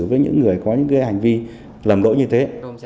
với những người có những cái hành vi làm đổi như thế